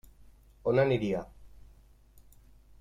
On aniria?